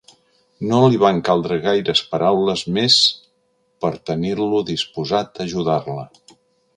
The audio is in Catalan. No li van caldre gaires paraules més per tenir-lo disposat a ajudar-la.